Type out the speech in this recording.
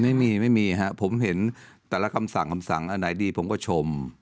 ไม่มีไม่มีครับผมเห็นแต่ละคำสั่งคำสั่งอันไหนดีผมก็ชม